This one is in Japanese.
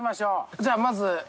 じゃあまず。